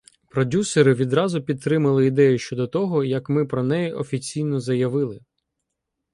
Продюсери відразу підтримали ідею ще до того, як ми про неї офіційно заявили.